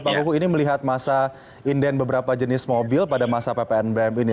pak kuku ini melihat masa inden beberapa jenis mobil pada masa ppnbm ini